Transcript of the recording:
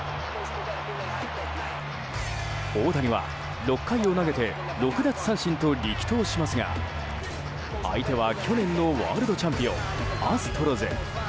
大谷は６回を投げて６奪三振と力投しますが相手は去年のワールドチャンピオンアストロズ。